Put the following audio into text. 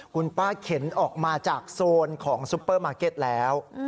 คุณป้าเข็นออกมาจากโซนของซุปเปอร์มาร์เก็ตแล้ว